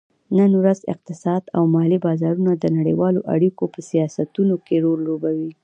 نن ورځ اقتصاد او مالي بازارونه د نړیوالو اړیکو په سیاستونو کې رول لوبوي